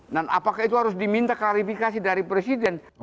dan apakah itu harus diminta klarifikasi dari presiden